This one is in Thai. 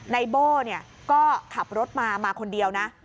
โบ้ก็ขับรถมามาคนเดียวนะ